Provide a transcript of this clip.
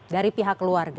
dari pihak keluarga